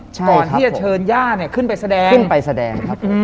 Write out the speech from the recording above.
ตอนที่จะเชิญหญ้าขึ้นไปแสดง